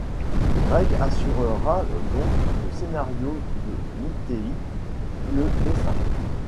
Greg assurera donc le scénario et Mitteï le dessin.